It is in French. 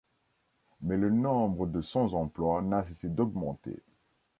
Mais le nombre de sans-emploi n'a cessé d'augmenter.